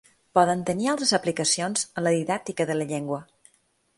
Poden tenir altres aplicacions en la didàctica de la llengua.